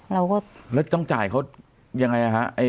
แล้วต้องจ่ายเค้ายังไงฮะ